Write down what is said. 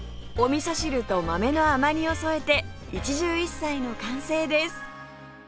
お味噌汁と豆の甘煮を添えて一汁一菜の完成です